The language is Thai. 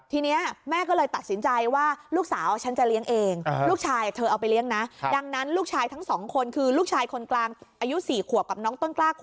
ทีนี้แม่ก็เลยตัดสินใจว่าลูกสาวฉันจะเลี้ยงเอง